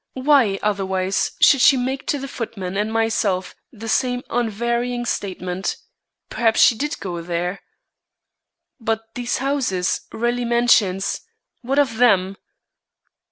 Why, otherwise, should she make to the footman and myself the same unvarying statement? Perhaps she did go there?" "But these houses, Raleigh Mansions. What of them?"